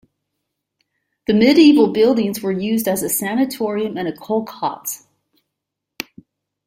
The medieval buildings were used as a sanatorium and a kolkhoz.